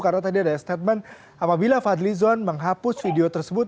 karena tadi ada statement apabila fadli zon menghapus video tersebut